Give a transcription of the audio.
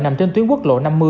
nằm trên tuyến quốc lộ năm mươi